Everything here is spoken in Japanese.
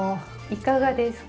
いかがですか？